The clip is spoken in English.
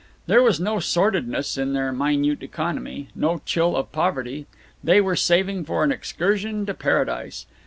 There was no sordidness in their minute economy; no chill of poverty; they were saving for an excursion to paradise.